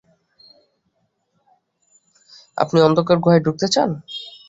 আপনি অন্ধকার গুহায় ঢুকতে চান।